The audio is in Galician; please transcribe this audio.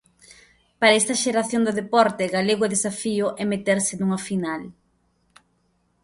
Para esta xeración do deporte galego o desafío é meterse nunha final.